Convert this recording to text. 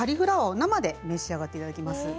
生で召し上がっていただきます。